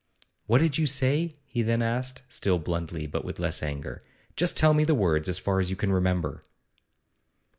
'What did you say?' he then asked, still bluntly, but with less anger. 'Just tell me the words, as far as you can remember.